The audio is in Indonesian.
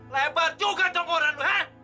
lebar juga jongoran lo ha